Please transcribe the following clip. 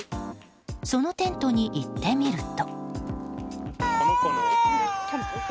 そのテントに行ってみると。